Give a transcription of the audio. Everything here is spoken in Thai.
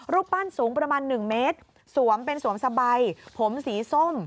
รูปปั้นสูงประมาณ๑เมตรสวมเป็นสวมสบายผมสีส้ม